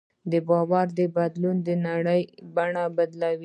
د باور بدلون د نړۍ بڼه بدلوي.